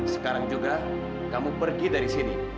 sekarang juga kamu pergi dari sini